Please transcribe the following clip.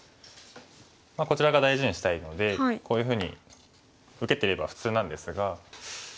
こちら側大事にしたいのでこういうふうに受けてれば普通なんですが。